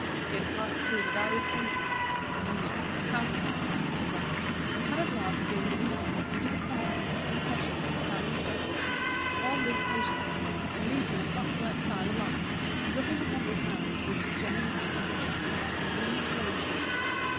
He had passed through the various stages: junior, counter hand, etc., and had at last gained admittance into the confidence and pleasures of the family circle, all this patiently, and leading a clock work style of life, looking upon this marriage with Geneviève as an excellent, convenient arrangement.